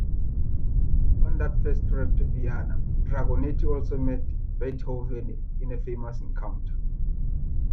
On that first trip to Vienna, Dragonetti also met Beethoven in a famous encounter.